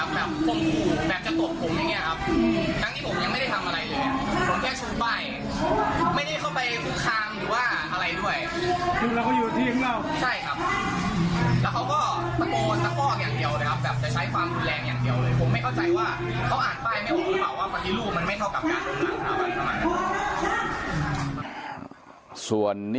ข้างณ์